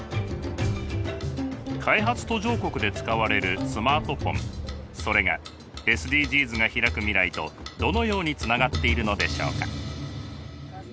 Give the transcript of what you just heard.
開発途上国で使われるスマートフォンそれがＳＤＧｓがひらく未来とどのようにつながっているのでしょうか。